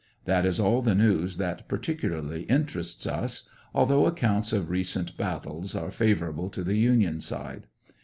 That is all the news that particularly interests us, although accounts of recent battles are favorable to the Union side.